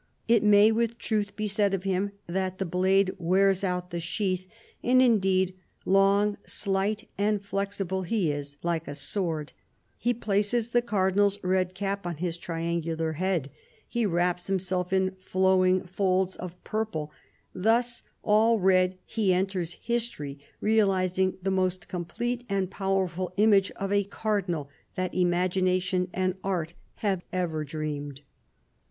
It may with truth be said of him that the blade wears out the sheath ; and indeed, long, slight and flexible, he is like a sword. He places the cardinal's red cap on his triangular head. He wraps himself in flowing folds of purple. Thus, all red, he enters history, realising the most complete and powerful image of a 'cardinal' that imagi nation and art have ever dreamed."